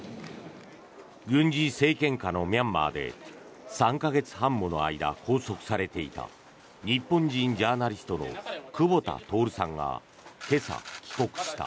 軍事政権下のミャンマーで３か月半もの間拘束されていた日本人ジャーナリストの久保田徹さんが今朝、帰国した。